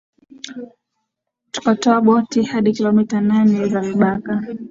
tukatoa boti hadi kilometa nane za vibaka